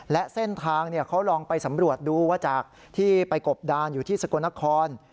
และเส้นทางเขาลองไปสำรวจดูว่าจากที่ไปกบดานอยู่ที่สกลนคร